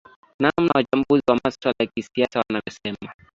namna wachambuzi wa maswala ya kisiasa wanavyosema